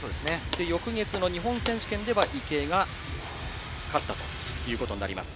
翌月の日本選手権では池江が勝ったということです。